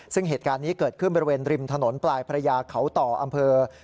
ซึ่งเหตุการณ์นี้เกิดขึ้นบริเวณริมถนนปลายพระยาเขาต่ออำเภอ